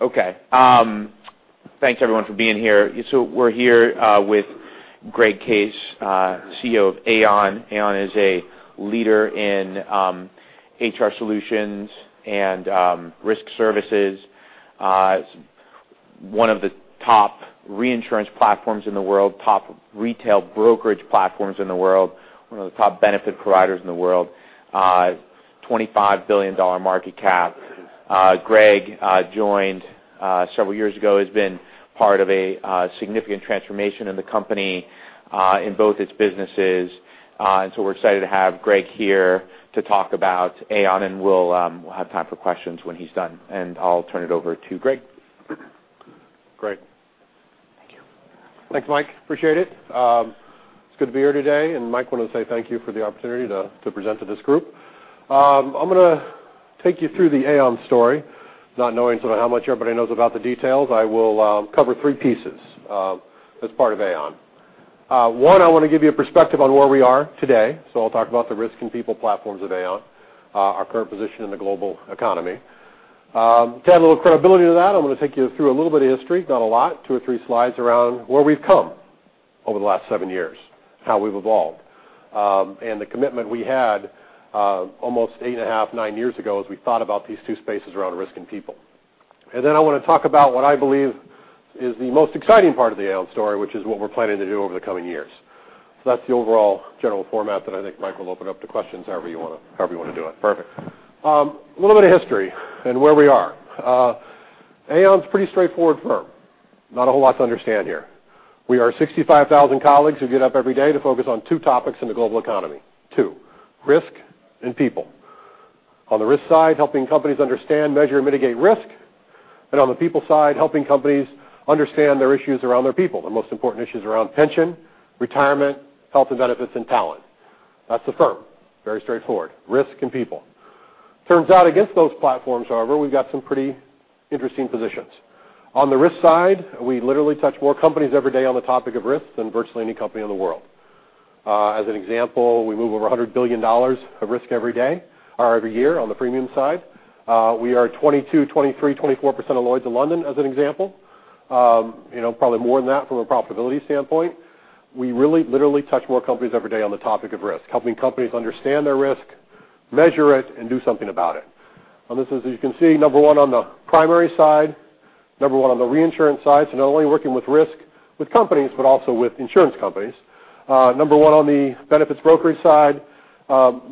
Okay. Thanks, everyone, for being here. We're here with Greg Case, CEO of Aon. Aon is a leader in HR Solutions and risk services. It's one of the top reinsurance platforms in the world, top retail brokerage platforms in the world, one of the top benefit providers in the world. $25 billion market cap. Greg joined several years ago, has been part of a significant transformation in the company in both its businesses. We're excited to have Greg here to talk about Aon, and we'll have time for questions when he's done, and I'll turn it over to Greg. Great. Thank you. Thanks, Mike. Appreciate it. It's good to be here today, and Mike wanted to say thank you for the opportunity to present to this group. I'm going to take you through the Aon story, not knowing sort of how much everybody knows about the details. I will cover three pieces as part of Aon. One, I want to give you a perspective on where we are today. I'll talk about the risk and people platforms at Aon, our current position in the global economy. To add a little credibility to that, I'm going to take you through a little bit of history, not a lot, two or three slides around where we've come over the last seven years, how we've evolved, and the commitment we had almost eight and a half, nine years ago as we thought about these two spaces around risk and people. I want to talk about what I believe is the most exciting part of the Aon story, which is what we're planning to do over the coming years. That's the overall general format that I think Mike will open up to questions however you want to do it. Perfect. A little bit of history and where we are. Aon is a pretty straightforward firm. Not a whole lot to understand here. We are 65,000 colleagues who get up every day to focus on two topics in the global economy. Two, risk and people. On the risk side, helping companies understand, measure, and mitigate risk, and on the people side, helping companies understand their issues around their people, the most important issues around pension, retirement, health and benefits, and talent. That's the firm. Very straightforward. Risk and people. Turns out against those platforms, however, we've got some pretty interesting positions. On the risk side, we literally touch more companies every day on the topic of risk than virtually any company in the world. As an example, we move over $100 billion of risk every year on the premium side. We are 22%, 23%, 24% of Lloyd's of London, as an example. Probably more than that from a profitability standpoint. We really literally touch more companies every day on the topic of risk, helping companies understand their risk, measure it, and do something about it. On this, as you can see, number 1 on the primary side, number 1 on the reinsurance side, not only working with risk with companies but also with insurance companies. Number 1 on the benefits brokerage side,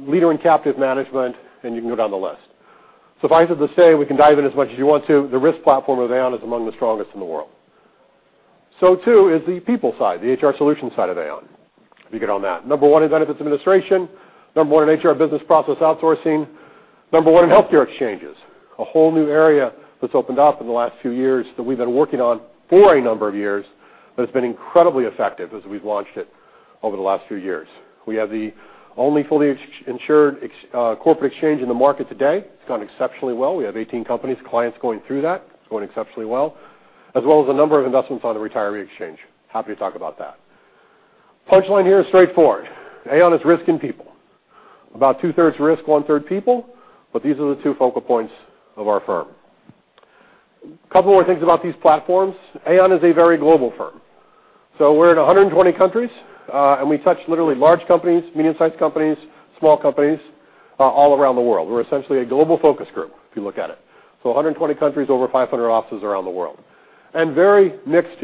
leader in captive management, and you can go down the list. Suffice it to say, we can dive in as much as you want to. The risk platform of Aon is among the strongest in the world. Too is the people side, the HR Solutions side of Aon, if you get on that. Number 1 in benefits administration, number 1 in HR business process outsourcing, number 1 in healthcare exchanges. A whole new area that's opened up in the last few years that we've been working on for a number of years, but it's been incredibly effective as we've launched it over the last few years. We have the only fully-insured corporate exchange in the market today. It's gone exceptionally well. We have 18 companies, clients going through that. It's going exceptionally well, as well as a number of investments on the retiree exchange. Happy to talk about that. Punchline here is straightforward. Aon is risk and people. About two-thirds risk, one-third people, but these are the 2 focal points of our firm. Couple more things about these platforms. Aon is a very global firm. We're in 120 countries, and we touch literally large companies, medium-sized companies, small companies, all around the world. We're essentially a global focus group, if you look at it. 120 countries, over 500 offices around the world. Very mixed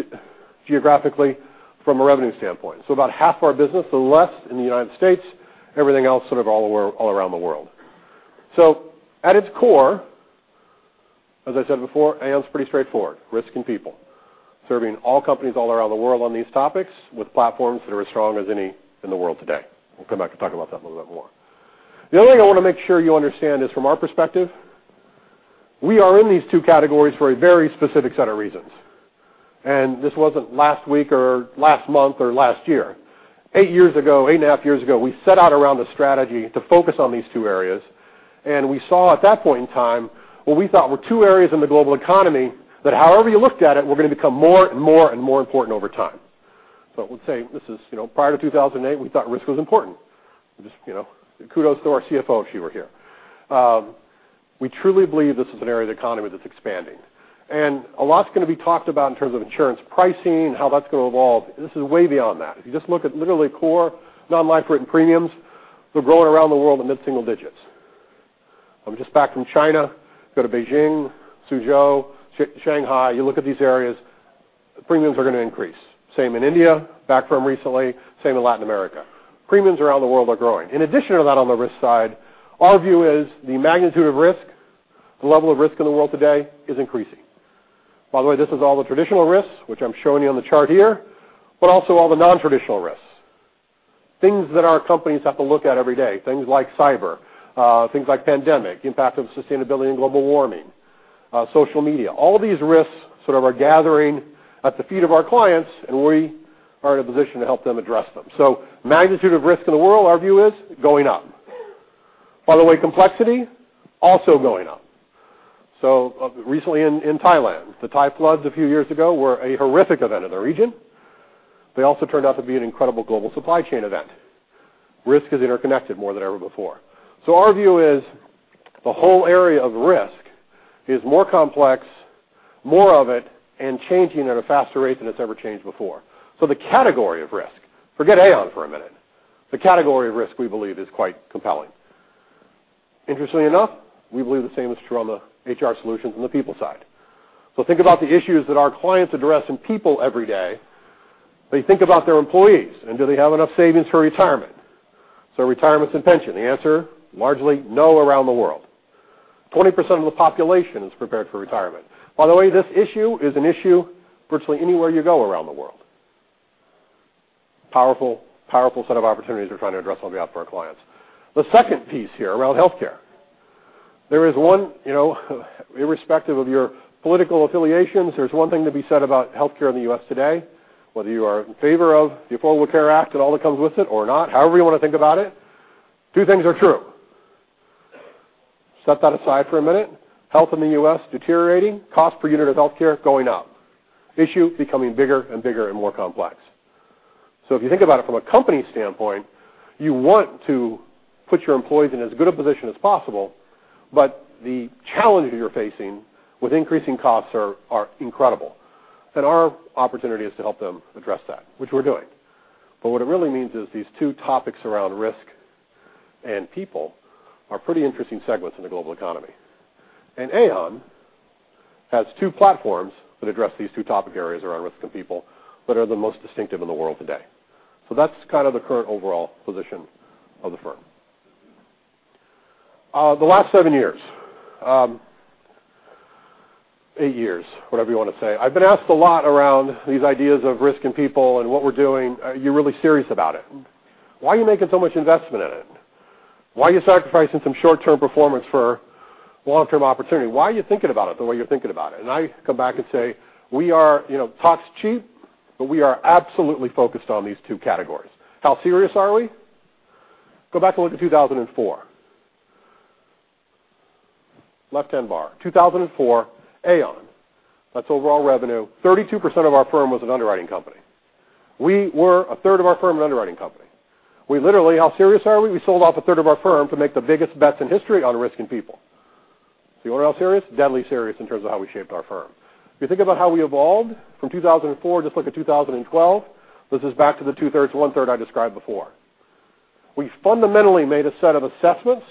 geographically from a revenue standpoint. About half our business or less in the U.S., everything else sort of all around the world. At its core, as I said before, Aon's pretty straightforward, risk and people. Serving all companies all around the world on these topics with platforms that are as strong as any in the world today. We'll come back and talk about that a little bit more. The other thing I want to make sure you understand is from our perspective, we are in these 2 categories for a very specific set of reasons. This wasn't last week or last month or last year. 8 and a half years ago, we set out around a strategy to focus on these two areas. We saw at that point in time what we thought were two areas in the global economy that however you looked at it, were going to become more and more important over time. Let's say this is prior to 2008, we thought risk was important. Just kudos to our CFO if she were here. We truly believe this is an area of the economy that's expanding. A lot's going to be talked about in terms of insurance pricing and how that's going to evolve. This is way beyond that. If you just look at literally core non-life written premiums, they're growing around the world in mid-single digits. I'm just back from China. Go to Beijing, Suzhou, Shanghai. You look at these areas, premiums are going to increase. Same in India, back from recently. Same in Latin America. Premiums around the world are growing. In addition to that, on the risk side, our view is the magnitude of risk, the level of risk in the world today, is increasing. By the way, this is all the traditional risks, which I'm showing you on the chart here, but also all the non-traditional risks. Things that our companies have to look at every day. Things like cyber, things like pandemic, impact of sustainability and global warming, social media. All of these risks sort of are gathering at the feet of our clients. We are in a position to help them address them. Magnitude of risk in the world, our view is, going up. By the way, complexity, also going up. Recently in Thailand, the Thai floods a few years ago were a horrific event in the region. They also turned out to be an incredible global supply chain event. Risk is interconnected more than ever before. Our view is the whole area of risk is more complex, more of it, and changing at a faster rate than it's ever changed before. The category of risk, forget Aon for a minute, the category of risk, we believe, is quite compelling. Interestingly enough, we believe the same is true on the HR Solutions on the people side. Think about the issues that our clients address in people every day. They think about their employees, do they have enough savings for retirement? Retirements and pension, the answer, largely no around the world. 20% of the population is prepared for retirement. By the way, this issue is an issue virtually anywhere you go around the world. Powerful set of opportunities we're trying to address on behalf of our clients. The second piece here, around healthcare. Irrespective of your political affiliations, there's one thing to be said about healthcare in the U.S. today, whether you are in favor of the Affordable Care Act and all that comes with it or not, however you want to think about it, two things are true. Set that aside for a minute. Health in the U.S., deteriorating. Cost per unit of healthcare, going up. Issue becoming bigger and bigger and more complex. If you think about it from a company standpoint, you want to put your employees in as good a position as possible, the challenges you're facing with increasing costs are incredible. Our opportunity is to help them address that, which we're doing. What it really means is these two topics around risk and people are pretty interesting segments in the global economy. Aon has two platforms that address these two topic areas around risk and people that are the most distinctive in the world today. That's kind of the current overall position of the firm. The last seven years, eight years, whatever you want to say. I've been asked a lot around these ideas of risk and people and what we're doing. Are you really serious about it? Why are you making so much investment in it? Why are you sacrificing some short-term performance for long-term opportunity? Why are you thinking about it the way you're thinking about it? I come back and say, talk's cheap, but we are absolutely focused on these two categories. How serious are we? Go back and look at 2004. Left-hand bar, 2004, Aon. That's overall revenue. 32% of our firm was an underwriting company. We were a third of our firm an underwriting company. How serious are we? We sold off a third of our firm to make the biggest bets in history on risk and people. See what I'm serious? Deadly serious in terms of how we shaped our firm. If you think about how we evolved from 2004, just look at 2012. This is back to the two-thirds, one-third I described before. We fundamentally made a set of assessments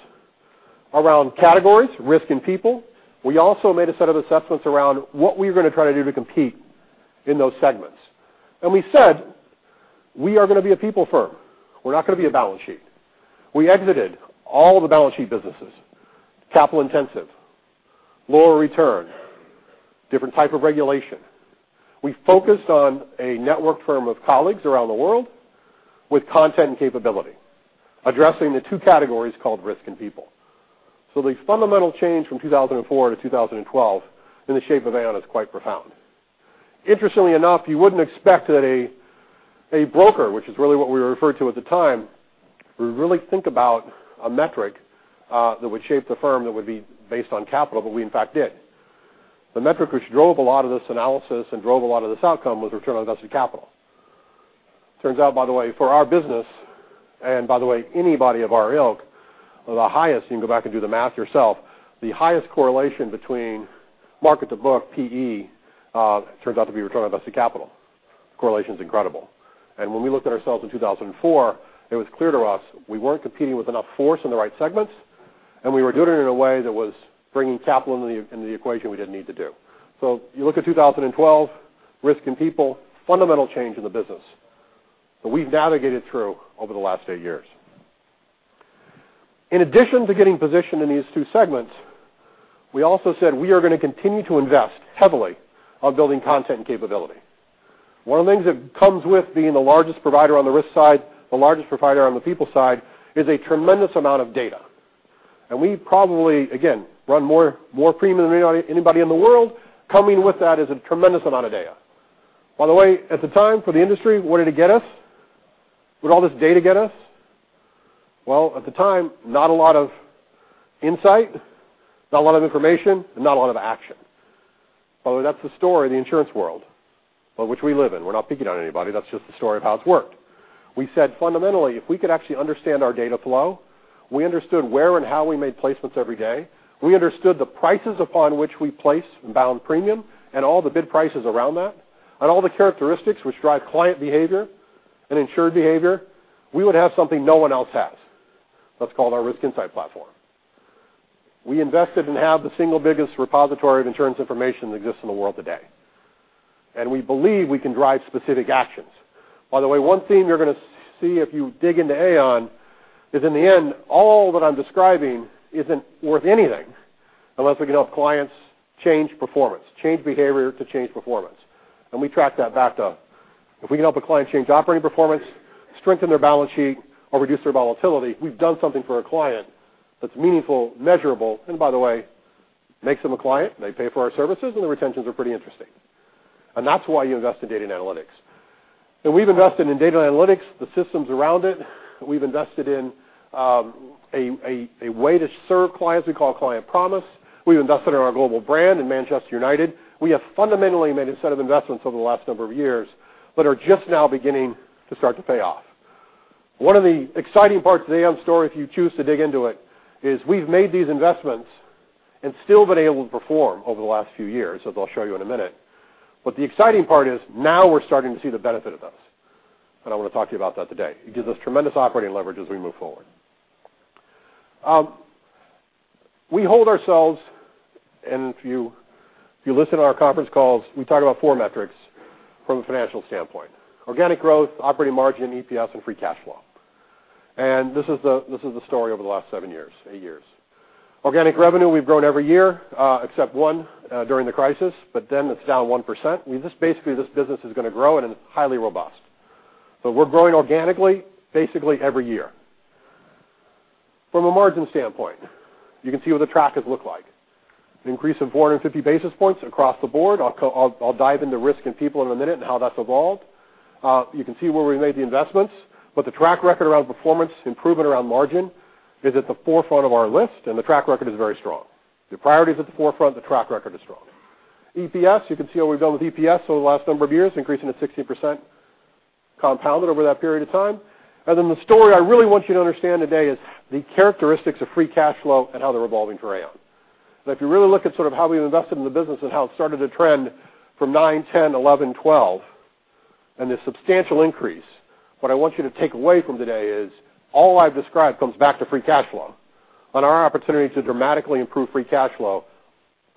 around categories, risk and people. We also made a set of assessments around what we were going to try to do to compete in those segments. We said we are going to be a people firm. We're not going to be a balance sheet. We exited all the balance sheet businesses, capital intensive, lower return, different type of regulation. We focused on a network firm of colleagues around the world with content and capability, addressing the two categories called risk and people. The fundamental change from 2004 to 2012 in the shape of Aon is quite profound. Interestingly enough, you wouldn't expect that a broker, which is really what we were referred to at the time, would really think about a metric that would shape the firm that would be based on capital, but we in fact did. The metric which drove a lot of this analysis and drove a lot of this outcome was return on invested capital. It turns out, by the way, for our business, and by the way, anybody of our ilk, the highest, you can go back and do the math yourself, the highest correlation between market to book, PE, turns out to be return on invested capital. Correlation's incredible. When we looked at ourselves in 2004, it was clear to us we weren't competing with enough force in the right segments, and we were doing it in a way that was bringing capital into the equation we didn't need to do. You look at 2012, risk and people, fundamental change in the business that we've navigated through over the last eight years. In addition to getting positioned in these two segments, we also said we are going to continue to invest heavily on building content and capability. One of the things that comes with being the largest provider on the risk side, the largest provider on the people side, is a tremendous amount of data. We probably, again, run more premium than anybody in the world. Coming with that is a tremendous amount of data. At the time, for the industry, what did it get us? What did all this data get us? At the time, not a lot of insight, not a lot of information, and not a lot of action. That's the story of the insurance world, which we live in. We're not picking on anybody. That's just the story of how it's worked. We said, fundamentally, if we could actually understand our data flow, we understood where and how we made placements every day, we understood the prices upon which we place bound premium, and all the bid prices around that, and all the characteristics which drive client behavior and insured behavior, we would have something no one else has. That's called our Risk Insight Platform. We invested and have the single biggest repository of insurance information that exists in the world today. We believe we can drive specific actions. One theme you're going to see if you dig into Aon is in the end, all that I'm describing isn't worth anything unless we can help clients change performance, change behavior to change performance. We track that back to if we can help a client change operating performance, strengthen their balance sheet, or reduce their volatility, we've done something for a client that's meaningful, measurable, and by the way, makes them a client. They pay for our services, and the retentions are pretty interesting. That's why you invest in data and analytics. We've invested in data and analytics, the systems around it. We've invested in a way to serve clients we call Aon Client Promise. We've invested in our global brand in Manchester United. We have fundamentally made a set of investments over the last number of years that are just now beginning to start to pay off. One of the exciting parts of the Aon story, if you choose to dig into it, is we've made these investments and still been able to perform over the last few years, as I'll show you in a minute. The exciting part is now we're starting to see the benefit of those, and I want to talk to you about that today. It gives us tremendous operating leverage as we move forward. We hold ourselves, and if you listen to our conference calls, we talk about four metrics from a financial standpoint: organic growth, operating margin, EPS, and free cash flow. This is the story over the last seven years, eight years. Organic revenue, we've grown every year except one during the crisis, but then it's down 1%. Basically, this business is going to grow, and it's highly robust. We're growing organically, basically every year. From a margin standpoint, you can see what the trackers look like. An increase of 450 basis points across the board. I'll dive into risk and people in a minute and how that's evolved. You can see where we made the investments, but the track record around performance improvement around margin is at the forefront of our list, and the track record is very strong. The priority is at the forefront, the track record is strong. EPS, you can see what we've done with EPS over the last number of years, increasing to 16% compounded over that period of time. Then the story I really want you to understand today is the characteristics of free cash flow and how they're evolving for Aon. If you really look at how we've invested in the business and how it started to trend from 2009, 2010, 2011, 2012, the substantial increase, what I want you to take away from today is all I've described comes back to free cash flow. Our opportunity to dramatically improve free cash flow,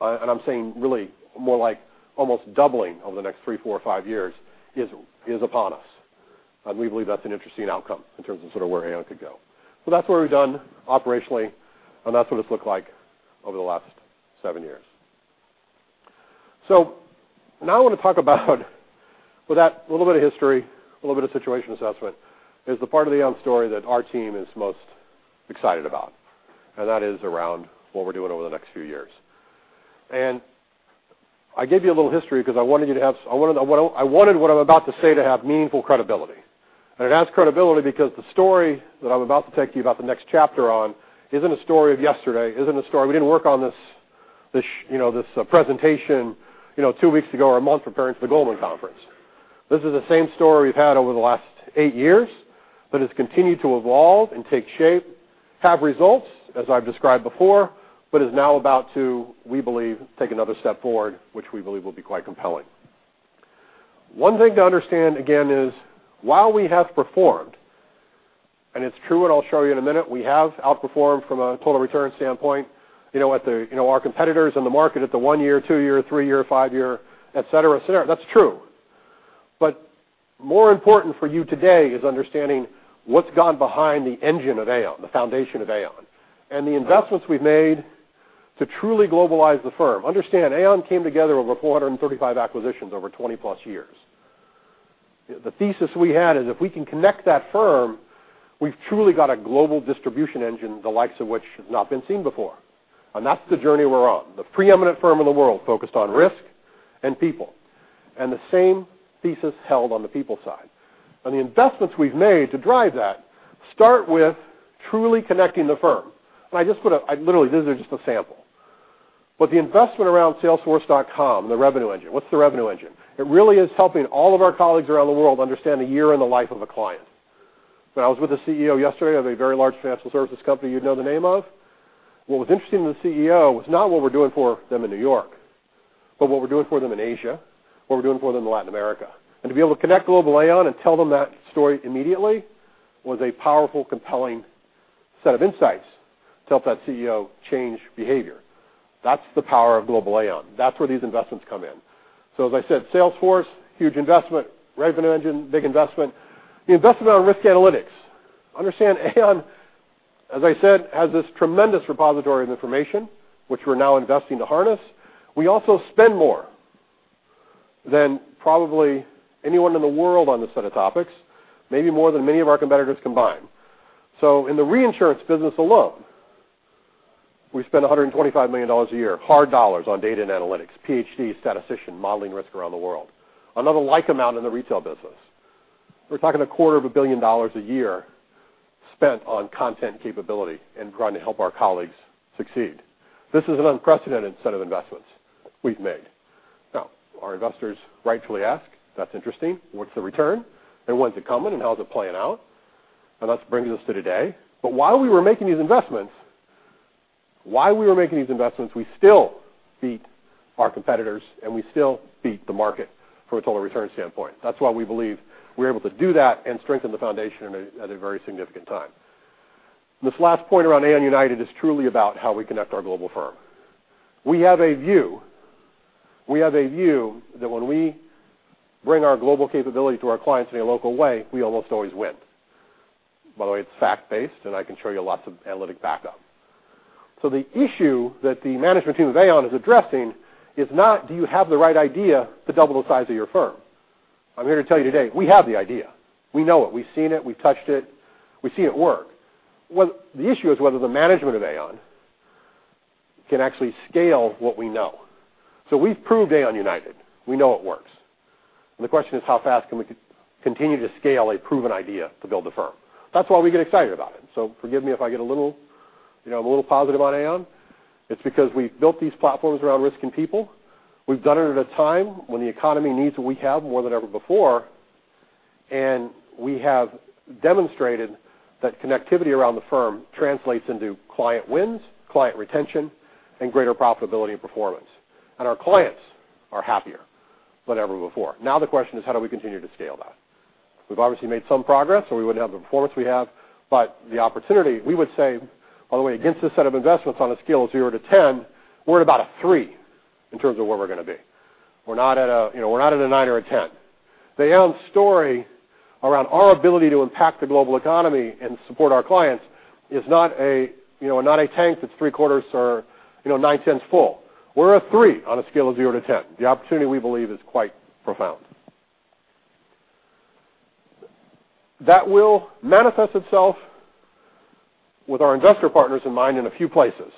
I'm saying really more like almost doubling over the next three, four, or five years is upon us. We believe that's an interesting outcome in terms of where Aon could go. That's what we've done operationally, and that's what it's looked like over the last seven years. Now I want to talk about with that little bit of history, a little bit of situation assessment, is the part of the Aon story that our team is most excited about, and that is around what we're doing over the next few years. I gave you a little history because I wanted what I'm about to say to have meaningful credibility. It has credibility because the story that I'm about to take you about the next chapter on isn't a story of yesterday, isn't a story we didn't work on this presentation two weeks ago or a month preparing for the Goldman conference. This is the same story we've had over the last eight years, it's continued to evolve and take shape, have results, as I've described before, is now about to, we believe, take another step forward, which we believe will be quite compelling. One thing to understand, again, is while we have performed, it's true, I'll show you in a minute, we have outperformed from a total return standpoint, our competitors in the market at the one year, two year, three year, five year, et cetera. That's true. More important for you today is understanding what's gone behind the engine of Aon, the foundation of Aon, and the investments we've made to truly globalize the firm. Understand, Aon came together over 435 acquisitions over 20+ years. The thesis we had is if we can connect that firm, we've truly got a global distribution engine, the likes of which has not been seen before. That's the journey we're on, the preeminent firm in the world focused on risk and people, the same thesis held on the people side. The investments we've made to drive that start with truly connecting the firm. I literally, this is just a sample. The investment around Salesforce, the Revenue Engine. What's the Revenue Engine? It really is helping all of our colleagues around the world understand the year in the life of a client. When I was with the CEO yesterday of a very large financial services company you'd know the name of, what was interesting to the CEO was not what we're doing for them in New York, but what we're doing for them in Asia, what we're doing for them in Latin America. To be able to connect global Aon and tell them that story immediately was a powerful, compelling set of insights to help that CEO change behavior. That's the power of global Aon. That's where these investments come in. As I said, Salesforce, huge investment, Revenue Engine, big investment. The investment around risk analytics. Understand Aon, as I said, has this tremendous repository of information, which we're now investing to harness. We also spend more than probably anyone in the world on this set of topics, maybe more than many of our competitors combined. In the reinsurance business alone, we spend $125 million a year, hard dollars on data and analytics, Ph.D., statistician, modeling risk around the world. Another like amount in the retail business. We're talking a quarter of a billion dollars a year spent on content capability and trying to help our colleagues succeed. This is an unprecedented set of investments we've made. Our investors rightfully ask, "That's interesting. What's the return? When's it coming, and how's it playing out?" That brings us to today. While we were making these investments, we still beat our competitors, and we still beat the market from a total return standpoint. That's why we believe we're able to do that and strengthen the foundation at a very significant time. This last point around Aon United is truly about how we connect our global firm. We have a view that when we bring our global capability to our clients in a local way, we almost always win. By the way, it's fact-based, I can show you lots of analytic backup. The issue that the management team of Aon is addressing is not do you have the right idea to double the size of your firm? I'm here to tell you today, we have the idea. We know it. We've seen it. We've touched it. We see it work. The issue is whether the management of Aon can actually scale what we know. We've proved Aon United. We know it works. The question is, how fast can we continue to scale a proven idea to build a firm? That's why we get excited about it. Forgive me if I get a little positive on Aon. It's because we've built these platforms around risk and people. We've done it at a time when the economy needs what we have more than ever before, and we have demonstrated that connectivity around the firm translates into client wins, client retention, and greater profitability and performance. Our clients are happier than ever before. The question is, how do we continue to scale that? We've obviously made some progress, or we wouldn't have the performance we have, but the opportunity, we would say, by the way, against this set of investments on a scale of 0 to 10, we're at about a 3 in terms of where we're going to be. We're not at a 9 or a 10. The Aon story around our ability to impact the global economy and support our clients is not a tank that's three-quarters or nine-tenths full. We're a 3 on a scale of 0 to 10. The opportunity, we believe, is quite profound. That will manifest itself with our investor partners in mind in a few places.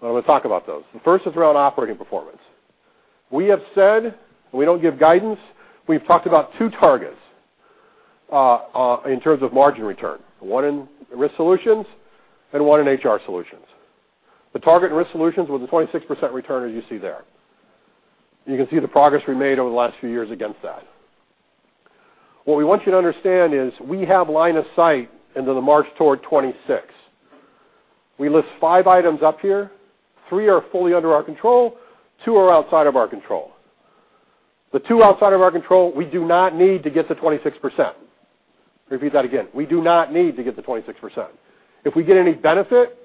I'm going to talk about those. The first is around operating performance. We have said we don't give guidance. We've talked about 2 targets, in terms of margin return, 1 in Risk Solutions and 1 in HR Solutions. The target in Risk Solutions was a 26% return, as you see there. You can see the progress we've made over the last few years against that. What we want you to understand is we have line of sight into the march toward 26. We list 5 items up here. 3 are fully under our control. 2 are outside of our control. The 2 outside of our control, we do not need to get to 26%. Repeat that again. We do not need to get to 26%. If we get any benefit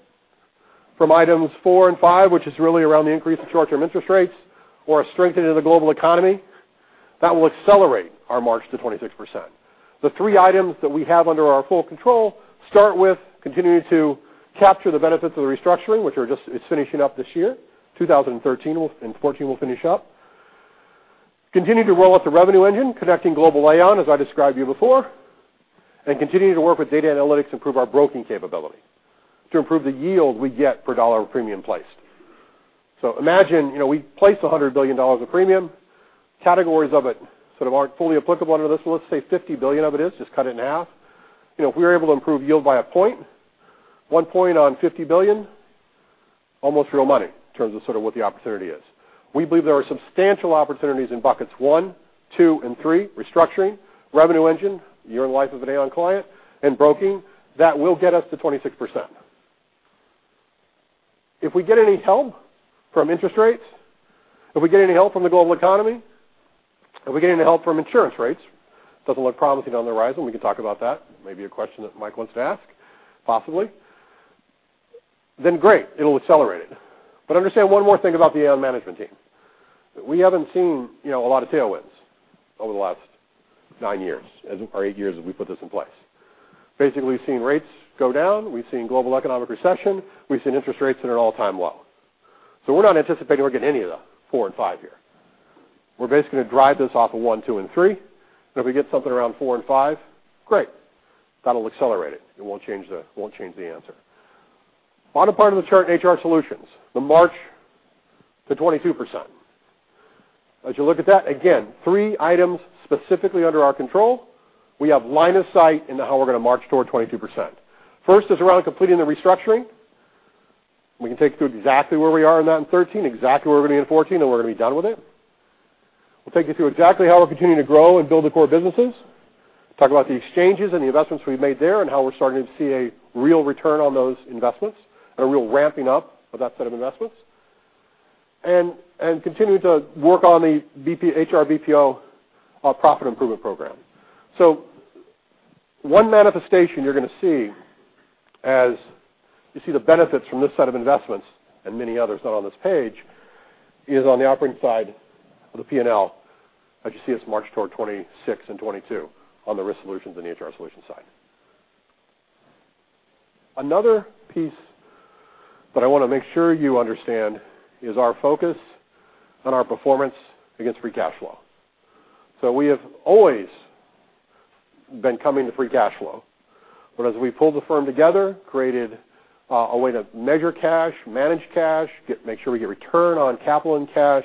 from items 4 and 5, which is really around the increase in short-term interest rates or a strengthening of the global economy, that will accelerate our march to 26%. The 3 items that we have under our full control start with continuing to capture the benefits of the restructuring, which is finishing up this year, 2013, and 2014 will finish up. Continue to roll out the Revenue Engine, connecting global Aon, as I described to you before, and continue to work with data analytics to improve our broking capability, to improve the yield we get per dollar of premium placed. Imagine, we place $100 billion of premium. Categories of it sort of aren't fully applicable under this. Let's say $50 billion of it is, just cut it in half. If we're able to improve yield by a point, 1 point on $50 billion, almost real money in terms of what the opportunity is. We believe there are substantial opportunities in buckets 1, 2, and 3, restructuring, Revenue Engine, year in the life of an Aon client, and broking, that will get us to 26%. If we get any help from interest rates, if we get any help from the global economy, if we get any help from insurance rates, doesn't look promising on the horizon, we can talk about that. Maybe a question that Mike wants to ask, possibly. Great. It'll accelerate it. Understand 1 more thing about the Aon management team. That we haven't seen a lot of tailwinds over the last 9 years as, or 8 years, as we put this in place. Basically, we've seen rates go down. We've seen global economic recession. We've seen interest rates at an all-time low. We're not anticipating we're getting any of the 4 and 5 year. We're basically going to drive this off of one, two, and three. If we get something around four and five, great. That'll accelerate it. It won't change the answer. Bottom part of the chart, HR Solutions, the march to 22%. As you look at that, again, three items specifically under our control. We have line of sight into how we're going to march toward 22%. First is around completing the restructuring. We can take you through exactly where we are in that in 2013, exactly where we're going to be in 2014, and we're going to be done with it. We'll take you through exactly how we're continuing to grow and build the core businesses. Talk about the exchanges and the investments we've made there and how we're starting to see a real return on those investments and a real ramping up of that set of investments. Continuing to work on the HR BPO profit improvement program. One manifestation you're going to see as you see the benefits from this set of investments, and many others not on this page, is on the operating side of the P&L as you see us march toward 26% and 22% on the Risk Solutions and HR Solutions side. Another piece that I want to make sure you understand is our focus on our performance against free cash flow. We have always been coming to free cash flow. As we pulled the firm together, created a way to measure cash, manage cash, make sure we get return on capital and cash,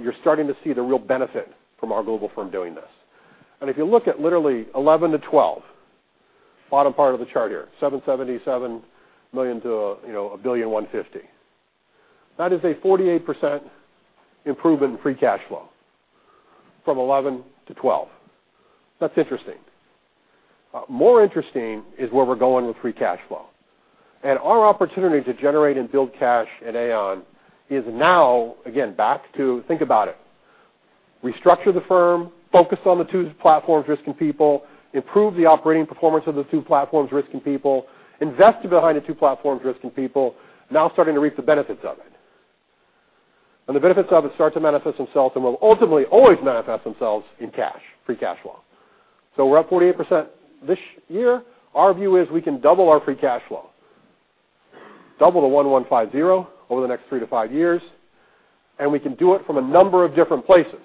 you're starting to see the real benefit from our global firm doing this. If you look at literally 2011 to 2012, bottom part of the chart here, $777 million to $1.15 billion. That is a 48% improvement in free cash flow from 2011 to 2012. That's interesting. More interesting is where we're going with free cash flow. Our opportunity to generate and build cash at Aon is now, again, back to think about it. Restructure the firm, focus on the two platforms, risk and people, improve the operating performance of the two platforms, risk and people, invest behind the two platforms, risk and people, now starting to reap the benefits of it. The benefits of it start to manifest themselves and will ultimately always manifest themselves in cash, free cash flow. We're up 48% this year. Our view is we can double our free cash flow, double the $1.15 billion over the next three to five years, and we can do it from a number of different places.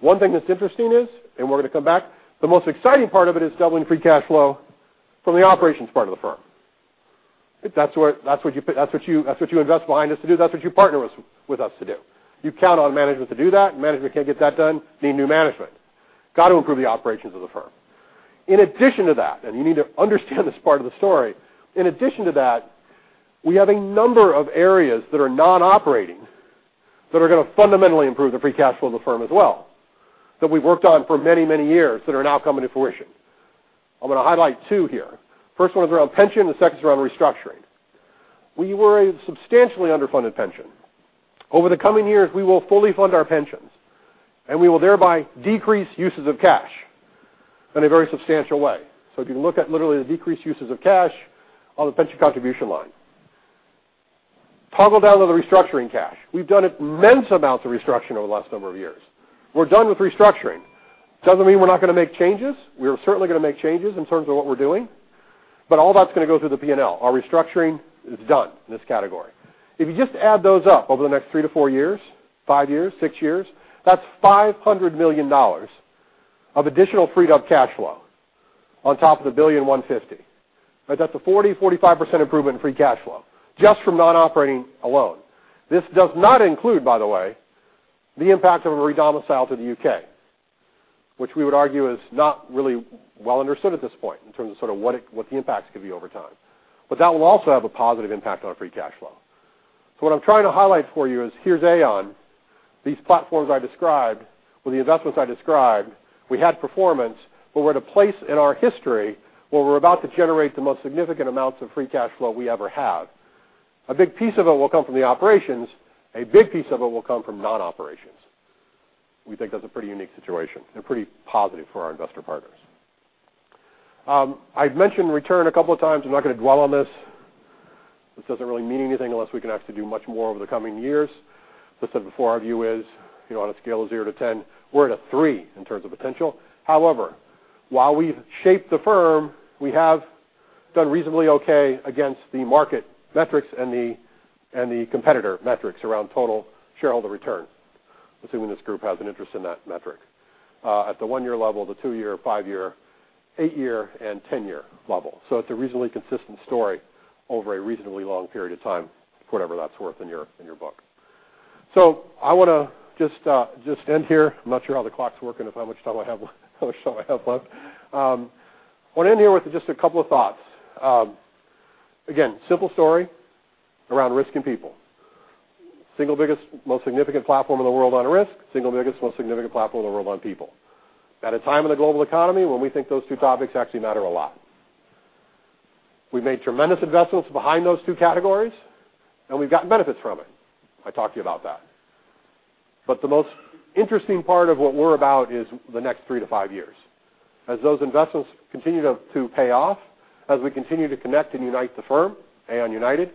One thing that's interesting is, we're going to come back, the most exciting part of it is doubling free cash flow from the operations part of the firm. That's what you invest behind us to do. That's what you partner with us to do. You count on management to do that. Management can't get that done, need new management. Got to improve the operations of the firm. In addition to that, you need to understand this part of the story, in addition to that, we have a number of areas that are non-operating that are going to fundamentally improve the free cash flow of the firm as well, that we've worked on for many years that are now coming to fruition. I'm going to highlight two here. First one is around pension, the second is around restructuring. We were a substantially underfunded pension. Over the coming years, we will fully fund our pensions, we will thereby decrease uses of cash in a very substantial way. If you can look at literally the decreased uses of cash on the pension contribution line. Toggle down to the restructuring cash. We've done immense amounts of restructuring over the last number of years. We're done with restructuring. Doesn't mean we're not going to make changes. We are certainly going to make changes in terms of what we're doing, but all that's going to go through the P&L. Our restructuring is done in this category. If you just add those up over the next three to four years, five years, six years, that's $500 million of additional freed up free cash flow on top of the $1.15 billion. That's a 40%-45% improvement in free cash flow just from non-operating alone. This does not include, by the way, the impact of a redomicile to the U.K., which we would argue is not really well understood at this point in terms of what the impacts could be over time. That will also have a positive impact on our free cash flow. What I'm trying to highlight for you is here's Aon, these platforms I described with the investments I described. We had performance, we're at a place in our history where we're about to generate the most significant amounts of free cash flow we ever have. A big piece of it will come from the operations. A big piece of it will come from non-operations. We think that's a pretty unique situation and pretty positive for our investor partners. I've mentioned return a couple of times. I'm not going to dwell on this. This doesn't really mean anything unless we can actually do much more over the coming years. As I said before, our view is on a scale of zero to 10, we're at a three in terms of potential. However, while we've shaped the firm, we have done reasonably okay against the market metrics and the competitor metrics around total shareholder return, assuming this group has an interest in that metric, at the one-year level, the two-year, five-year, eight-year, and 10-year level. It's a reasonably consistent story over a reasonably long period of time, for whatever that's worth in your book. I want to just end here. I'm not sure how the clock's working of how much time I have left. I want to end here with just a couple of thoughts. Again, simple story around risk and people. Single biggest, most significant platform in the world on risk, single biggest, most significant platform in the world on people. At a time in the global economy when we think those two topics actually matter a lot. We've made tremendous investments behind those two categories, we've gotten benefits from it. I talked to you about that. The most interesting part of what we're about is the next three to five years. As those investments continue to pay off, as we continue to connect and unite the firm, Aon United,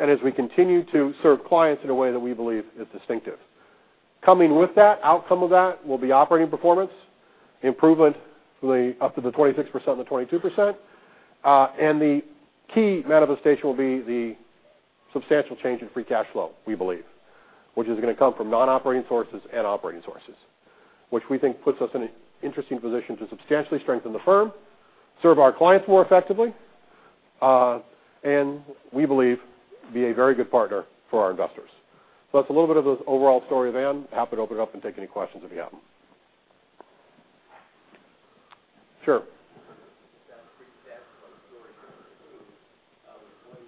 as we continue to serve clients in a way that we believe is distinctive. Coming with that, outcome of that will be operating performance, improvement up to the 26% and the 22%, the key manifestation will be the substantial change in free cash flow, we believe, which is going to come from non-operating sources and operating sources. We think puts us in an interesting position to substantially strengthen the firm, serve our clients more effectively, and we believe be a very good partner for our investors. That's a little bit of the overall story of Aon. Happy to open it up and take any questions if you have them. Sure. If that free cash flow story comes true, what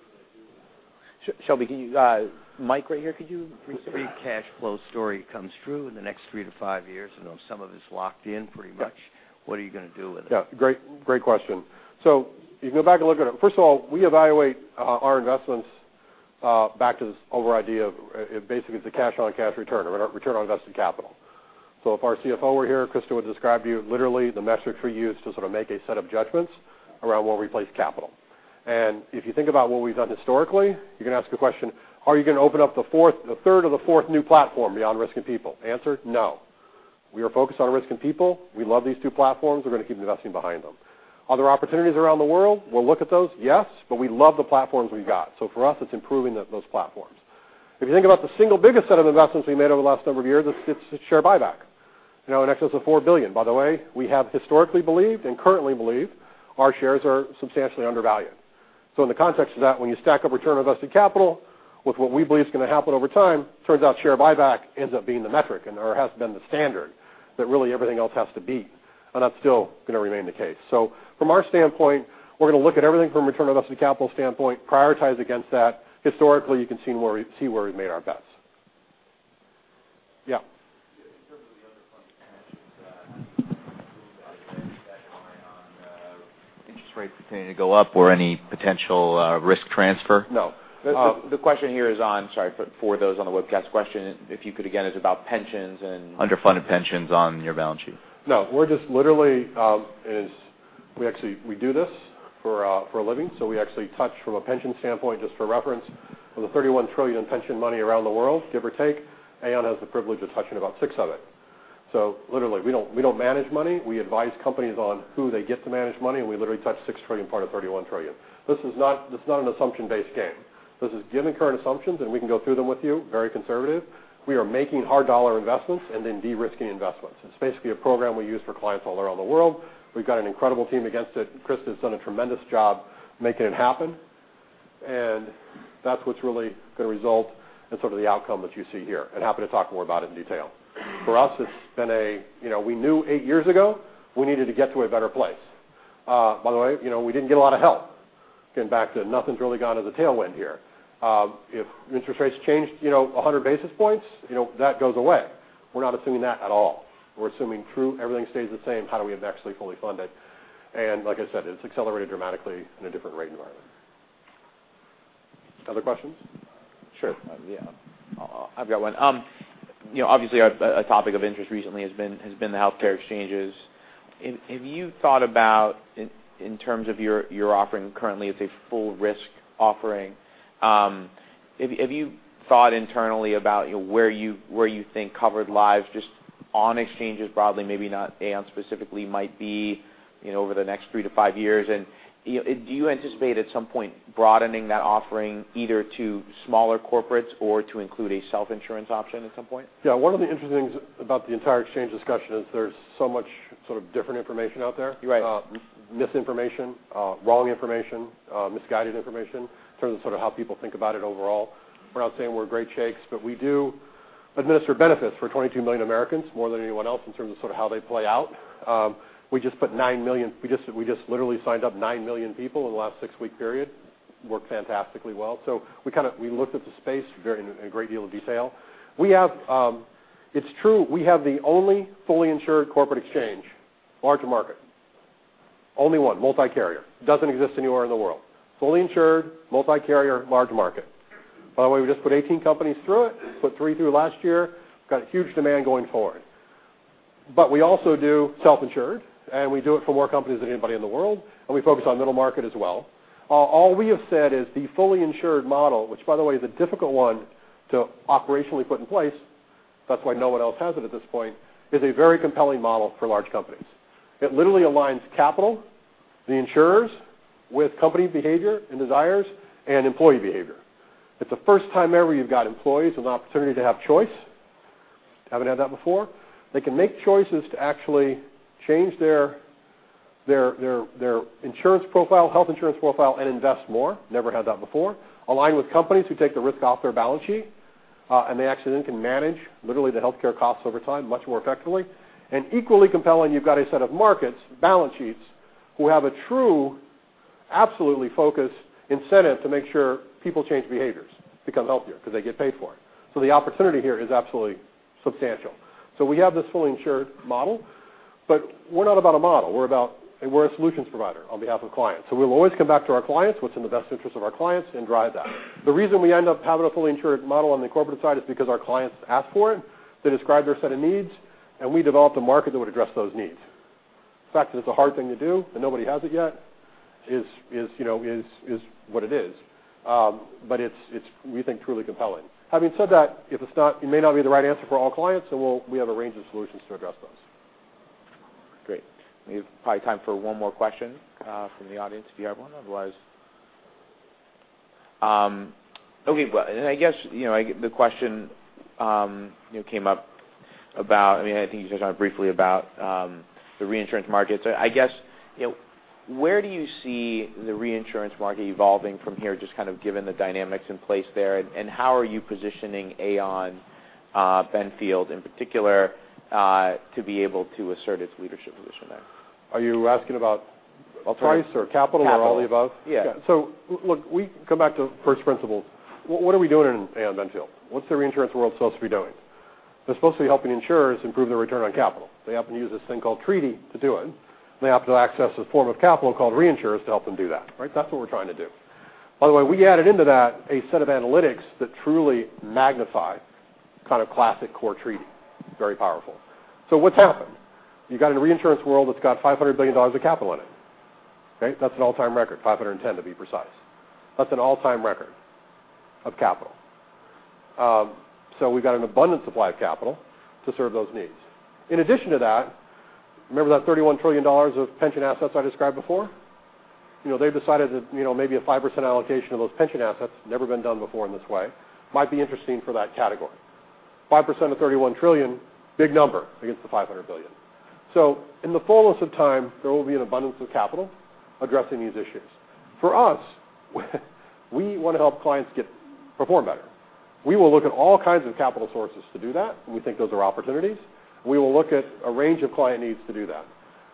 are you going to do with it? Shelby, Mike right here, could you repeat? Free cash flow story comes true in the next three to five years. I know some of it's locked in pretty much. What are you going to do with it? Yeah. Great question. You can go back and look at it. First of all, we evaluate our investments back to this overall idea of basically it's a cash on cash return, a return on invested capital. If our CFO were here, Christa would describe to you literally the metrics we use to sort of make a set of judgments around where we place capital. If you think about what we've done historically, you can ask the question, are you going to open up the third or the fourth new platform beyond Risk and People? Answer, no. We are focused on Risk and People. We love these two platforms. We're going to keep investing behind them. Other opportunities around the world, we'll look at those, yes, but we love the platforms we've got. For us, it's improving those platforms. If you think about the single biggest set of investments we made over the last number of years, it's share buyback in excess of $4 billion. By the way, we have historically believed and currently believe our shares are substantially undervalued. In the context of that, when you stack up return on invested capital with what we believe is going to happen over time, turns out share buyback ends up being the metric or has been the standard that really everything else has to beat, and that's still going to remain the case. From our standpoint, we're going to look at everything from a return on invested capital standpoint, prioritize against that. Historically, you can see where we've made our bets. Yeah. In terms of the underfunded pensions, how do you plan to move out of there with that going on, interest rates continuing to go up or any potential risk transfer? No. The question here is on, sorry for those on the webcast, question, if you could again, is about pensions. Underfunded pensions on your balance sheet. We're just literally We do this for a living, so we actually touch from a pension standpoint, just for reference, from the $31 trillion pension money around the world, give or take, Aon has the privilege of touching about $6 trillion of it. Literally, we don't manage money. We advise companies on who they get to manage money, and we literally touch $6 trillion part of $31 trillion. This is not an assumption-based game. This is given current assumptions, we can go through them with you, very conservative. We are making hard dollar investments and then de-risking investments. It's basically a program we use for clients all around the world. We've got an incredible team against it. Chris has done a tremendous job making it happen, and that's what's really going to result in sort of the outcome that you see here. I'm happy to talk more about it in detail. For us, we knew eight years ago we needed to get to a better place. By the way, we didn't get a lot of help. Getting back to nothing's really gone as a tailwind here. If interest rates changed 100 basis points, that goes away. We're not assuming that at all. We're assuming true everything stays the same, how do we actually fully fund it? Like I said, it's accelerated dramatically in a different rate environment. Other questions? Sure. Yeah. I've got one. Obviously, a topic of interest recently has been the healthcare exchanges. In terms of your offering currently as a full risk offering, have you thought internally about where you think covered lives just on exchanges broadly, maybe not Aon specifically, might be over the next three to five years, and do you anticipate at some point broadening that offering either to smaller corporates or to include a self-insurance option at some point? Yeah. One of the interesting things about the entire exchange discussion is there's so much sort of different information out there. You're right. Misinformation, wrong information, misguided information in terms of how people think about it overall. We're not saying we're great shakes, but we do administer benefits for 22 million Americans, more than anyone else in terms of how they play out. We just literally signed up nine million people in the last six-week period. Worked fantastically well. We looked at the space in a great deal of detail. It's true, we have the only fully insured corporate exchange, large market. Only one, multi-carrier. Doesn't exist anywhere in the world. Fully insured, multi-carrier, large market. By the way, we just put 18 companies through it, put three through last year. Got a huge demand going forward. We also do self-insured, and we do it for more companies than anybody in the world, and we focus on middle market as well. All we have said is the fully insured model, which by the way is a difficult one to operationally put in place, that's why no one else has it at this point, is a very compelling model for large companies. It literally aligns capital, the insurers, with company behavior and desires, and employee behavior. It's the first time ever you've got employees with an opportunity to have choice. Haven't had that before. They can make choices to actually change their insurance profile, health insurance profile, and invest more. Never had that before. Aligned with companies who take the risk off their balance sheet, and they actually then can manage literally the healthcare costs over time much more effectively. Equally compelling, you've got a set of markets, balance sheets, who have a true absolutely focused incentive to make sure people change behaviors, become healthier because they get paid for it. The opportunity here is absolutely substantial. We have this fully insured model, but we're not about a model. We're a solutions provider on behalf of clients. We'll always come back to our clients, what's in the best interest of our clients, and drive that. The reason we end up having a fully insured model on the corporate side is because our clients ask for it. They describe their set of needs, and we developed a market that would address those needs. The fact that it's a hard thing to do and nobody has it yet is what it is. It's, we think, truly compelling. Having said that, it may not be the right answer for all clients, we have a range of solutions to address those. Great. We have probably time for one more question from the audience, if you have one. Okay. Well, I guess the question came up about, I think you touched on it briefly, about the reinsurance markets. Where do you see the reinsurance market evolving from here, just kind of given the dynamics in place there, and how are you positioning Aon Benfield in particular to be able to assert its leadership position there? Are you asking about price or capital or all of the above? Capital. Yeah. Look, we come back to first principles. What are we doing in Aon Benfield? What's the reinsurance world supposed to be doing? They're supposed to be helping insurers improve their return on capital. They happen to use this thing called treaty to do it, and they happen to access a form of capital called reinsurers to help them do that. That's what we're trying to do. By the way, we added into that a set of analytics that truly magnify kind of classic core treaty. Very powerful. What's happened? You've got a reinsurance world that's got $500 billion of capital in it. That's an all-time record, 510 to be precise. That's an all-time record of capital. We've got an abundant supply of capital to serve those needs. In addition to that, remember that $31 trillion of pension assets I described before? They've decided that maybe a 5% allocation of those pension assets, never been done before in this way, might be interesting for that category. 5% of $31 trillion, big number against the $500 billion. In the fullness of time, there will be an abundance of capital addressing these issues. For us, we want to help clients perform better. We will look at all kinds of capital sources to do that. We think those are opportunities. We will look at a range of client needs to do that.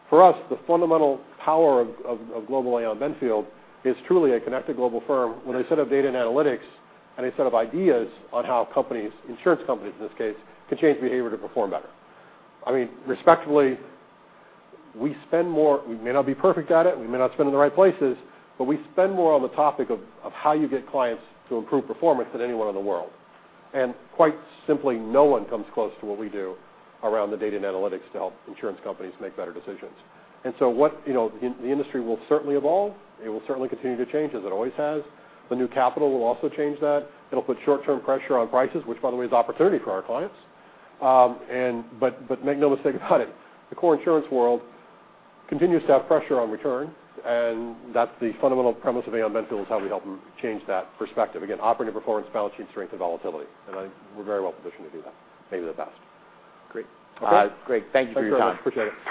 For us, the fundamental power of Global Aon Benfield is truly a connected global firm with a set of data and analytics and a set of ideas on how companies, insurance companies in this case, can change behavior to perform better. Respectfully, we may not be perfect at it, we may not spend it in the right places, but we spend more on the topic of how you get clients to improve performance than anyone in the world. Quite simply, no one comes close to what we do around the data and analytics to help insurance companies make better decisions. The industry will certainly evolve. It will certainly continue to change as it always has. The new capital will also change that. It'll put short-term pressure on prices, which by the way, is opportunity for our clients. Make no mistake about it, the core insurance world continues to have pressure on return, and that's the fundamental premise of Aon Benfield is how we help them change that perspective. Again, operating performance, balance sheet strength, and volatility. We're very well-positioned to do that. Maybe the best. Great. Okay. Great. Thank you for your time. Thanks very much. Appreciate it.